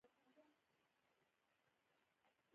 ما داسي فکر کاوه چي ته په کومه ستونزه کې يې.